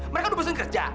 mereka udah bosan kerja